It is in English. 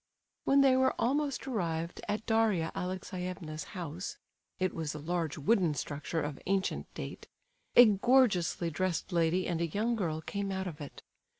When they were almost arrived at Daria Alexeyevna's house (it was a large wooden structure of ancient date), a gorgeously dressed lady and a young girl came out of it.